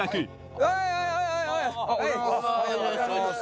おはようございます。